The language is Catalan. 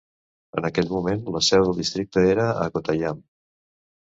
En aquell moment, la seu del districte era a Kottayam.